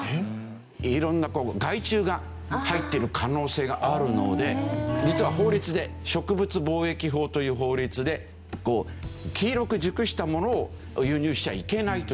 色んなこう害虫が入ってる可能性があるので実は法律で植物防疫法という法律で黄色く熟したものを輸入しちゃいけないというんですよ。